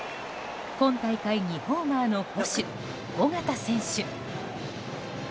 今大会２ホーマーの捕手尾形選手。